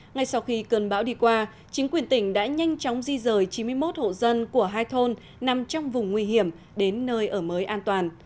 ngay sau khi cơn bão đi qua chính quyền tỉnh đã nhanh chóng di rời chín mươi một hộ dân của hai thôn nằm trong vùng nguy hiểm đến nơi ở mới an toàn